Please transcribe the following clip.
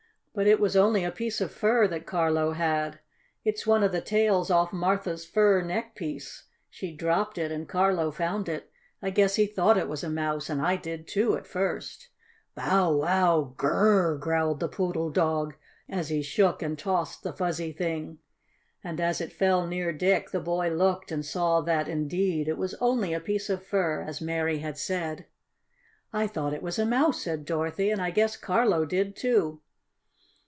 "But it was only a piece of fur that Carlo had. It's one of the tails off Martha's fur neck piece. She dropped it, and Carlo found it. I guess he thought it was a mouse, and I did, too, at first." "Bow wow! Gurr r r r r!" growled the poodle dog, as he shook and tossed the fuzzy thing. And as it fell near Dick the boy looked and saw that, indeed, it was only a piece of fur, as Mary had said. "I thought it was a mouse," said Dorothy. "And I guess Carlo did, too."